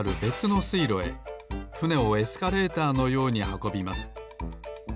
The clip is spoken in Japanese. いろへふねをエスカレーターのようにはこびます。